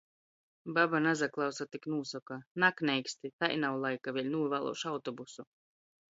Baba nasaklausa, tik nūsoka: Nakneiksti! Tai nav laika, vēļ nūvāluošu autobusu!